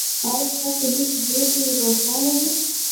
ایا ستاسو لید لوری روښانه دی؟